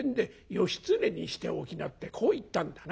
『義経にしておきな』ってこう言ったんだな」。